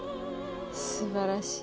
すばらしい。